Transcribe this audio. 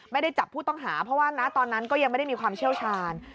ไม่ได้จับผู้ต้องหาเพราะว่านะตอนนั้นก็ยังไม่ได้มีความเชี่ยวชาญ